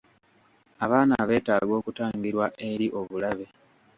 Abaana beetaaga okutangirwa eri obulabe.